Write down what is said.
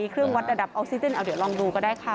เครื่องวัดระดับออกซิเจนเอาเดี๋ยวลองดูก็ได้ค่ะ